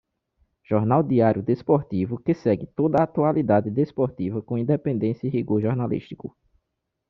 Jornal diário desportivo que segue toda a atualidade desportiva com independência e rigor jornalístico.